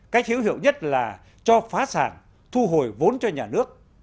cách hữu hiệu nhất là cho phá sản thu hồi vốn cho nhà nước